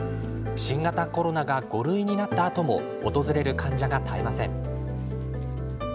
新型コロナが５類になったあとも訪れる患者が絶えません。